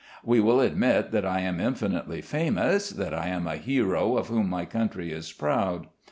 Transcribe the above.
We will admit that I am infinitely famous, that I am a hero of whom my country is proud.